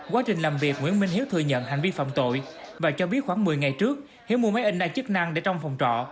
quá trình làm việc nguyễn minh hiếu thừa nhận hành vi phạm tội và cho biết khoảng một mươi ngày trước hiếu mua máy in đa chức năng để trong phòng trọ